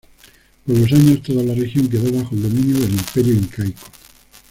Con los años, toda la región quedó bajo el dominio del Imperio incaico.